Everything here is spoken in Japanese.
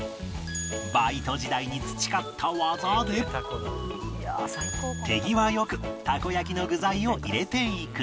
バイト時代に培った技で手際よくたこ焼きの具材を入れていく